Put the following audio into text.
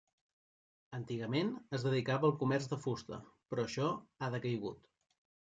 Antigament es dedicava al comerç de fusta, però això ha decaigut.